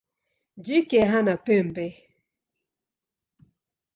Jike hana pembe.